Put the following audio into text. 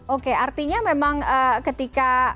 oke artinya memang ketika